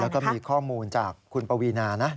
แล้วก็มีข้อมูลจากคุณปวีนานะ